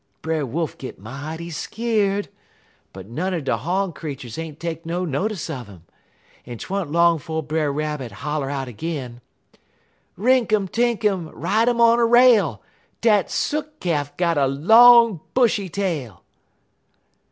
_' "Brer Wolf git mighty skeer'd, but none er de hawn creeturs ain't take no notice un 'im, en 't wa'n't long 'fo' Brer Rabbit holler out ag'in: "'_Rinktum tinktum, ride 'im on a rail! Dat Sook Calf got a long bushy tail!